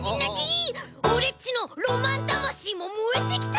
オレっちのロマンだましいももえてきた。